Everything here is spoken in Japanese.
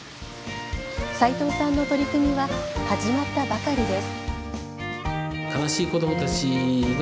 齋藤さんの取り組みは始まったばかりです。